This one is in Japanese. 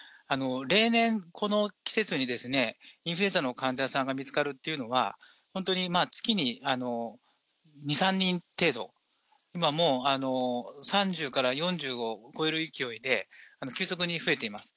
例年、この季節にインフルエンザの患者さんが見つかるっていうのは、本当に月に２、３人程度、今もう３０から４０を超える勢いで、急速に増えています。